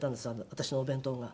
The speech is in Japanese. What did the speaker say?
私のお弁当が。